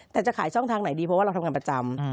แต่จะขายช่องทางไหนดีเพราะว่าเราทำงานประจำ